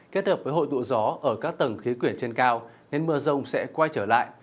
kết hợp với hội tụ gió ở các tầng khí quyển trên cao nên mưa rông sẽ quay trở lại